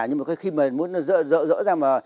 nhưng mà khi mình muốn nó rỡ rỡ ra mà